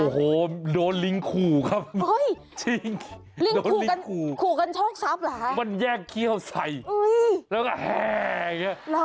โอ้โหโดนลิงขู่ครับโอ้ยลิงขู่กันโชคซับหรอค่ะมันแยกเคี้ยวใส่แล้วก็แหง